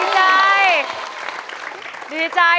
โธ่ดีใจ